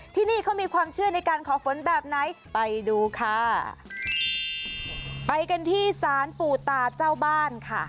ที่นี่เขามีความเชื่อในการขอฝนแบบไหนไปดูค่ะไปกันที่สารปู่ตาเจ้าบ้านค่ะ